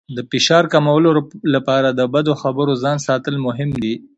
د فشار کمولو لپاره له بدو خبرونو ځان ساتل مهم دي.